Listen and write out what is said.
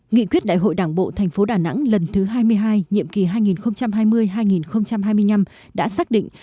nghị quyết đại hội đảng bộ thành phố đà nẵng lần thứ hai mươi hai nhiệm kỳ hai nghìn hai mươi hai nghìn hai mươi năm đã xác định